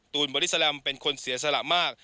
ตูนบอริสแลมเป็นคนเสียสละมาก